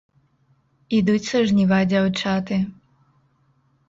Ідуць са жніва дзяўчаты.